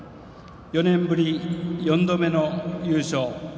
４年ぶり４度目の優勝